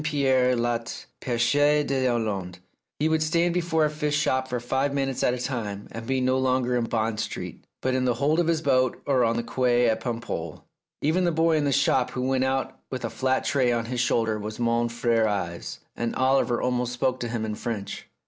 Pierre Loti's "Pecheur dTslande." He would stand before a fish shop for five minutes at a time, and be no longer in Bond Street, but in the hold of his boat or on the quay at Paimpol. Even the boy in the shop who went out with a flat tray on his shoulder was mon fiere Yves, and Oliver almost spoke to him in French.